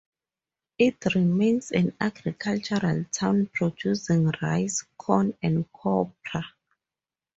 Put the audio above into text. It remains an agricultural town producing rice, corn and copra.